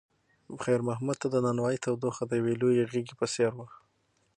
خیر محمد ته د نانوایۍ تودوخه د یوې لویې غېږې په څېر وه.